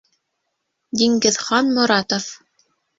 Диңгеҙхан Моратов.